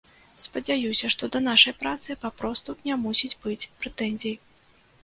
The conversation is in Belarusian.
Спадзяюся, што да нашай працы папросту не мусіць быць прэтэнзій.